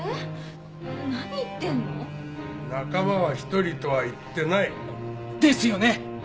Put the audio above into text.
仲間は１人とは言ってない。ですよね！